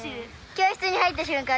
教室に入った瞬間